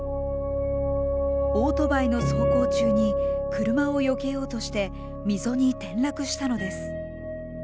オートバイの走行中に車をよけようとして溝に転落したのです。